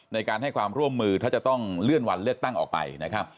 ในการให้ความร่วมมือถ้าจะต้องเลื่อนวันเลือกตั้งออกไปนะครับ